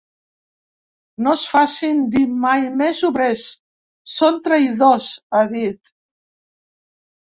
No es facin dir mai més obrers; són traïdors, ha dit.